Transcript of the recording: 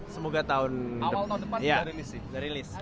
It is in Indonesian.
semoga awal tahun depan udah rilis sih